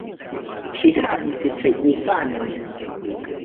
Ŝi havis tri infanojn.